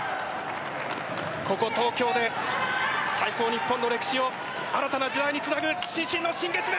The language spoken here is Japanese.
ここ、東京で体操日本の歴史を新たな時代につなげる伸身の新月面！